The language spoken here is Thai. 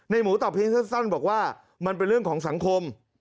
หมูตอบเพียงสั้นบอกว่ามันเป็นเรื่องของสังคม